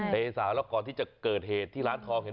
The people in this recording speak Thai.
เมษาแล้วก่อนที่จะเกิดเหตุที่ร้านทองเห็น